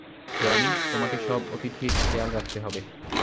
রনি, তোমাকে সব অতিথির, খেয়াল রাখতে হবে।